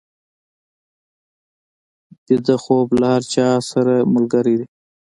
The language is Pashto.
ویده خوب له هر چا سره ملګری دی